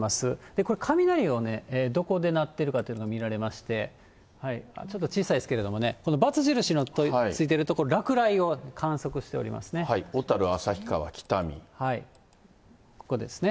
これ、雷を、どこで鳴ってるかというのを見られまして、ちょっと小さいですけどね、×印のついてる所、落雷を観測しておりますね。